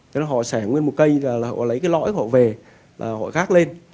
thế nên họ xẻ nguyên một cây là họ lấy cái lõi họ về là họ gác lên